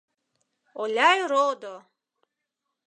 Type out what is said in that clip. Оляй родо!..